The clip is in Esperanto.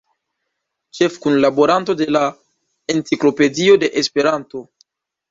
Ĉefkunlaboranto de la Enciklopedio de Esperanto.